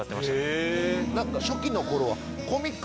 初期の頃は。